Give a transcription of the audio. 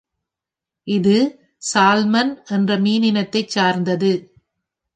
இது சால் மன் என்ற மீனினத்தைச் சார்ந்தது.